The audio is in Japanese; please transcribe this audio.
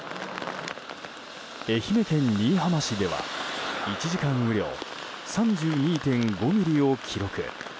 愛媛県新居浜市では１時間雨量３２．５ミリを記録。